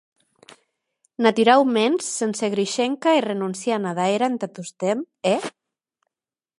Naturauments, sense Grushenka e renonciant ada era entà tostemp, è?